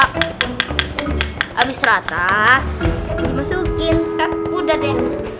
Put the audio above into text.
habis rata dimasukin ke kuda deh